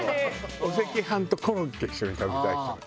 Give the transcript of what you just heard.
お赤飯とコロッケ一緒に食べたい人なの。